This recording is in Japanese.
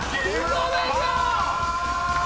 嘘でしょ